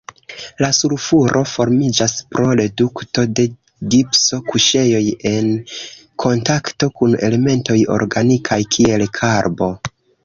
La sulfuro formiĝas pro redukto de gipso-kuŝejoj en kontakto kun elementoj organikaj, kiel karbo.